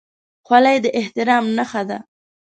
خولۍ د احترام نښه ده.